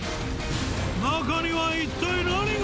中には一体何が？